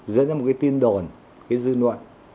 dẫn đến một cái tin đồn cái dư luận